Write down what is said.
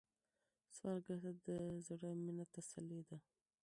سوالګر ته د زړه مينه تسلي ده